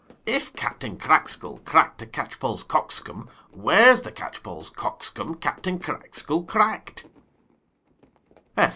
If Captain Crackskull crack'd a Catchpoll's Cockscomb, Where's the Catchpoll's Cockscomb Captain Crackskull crack'd?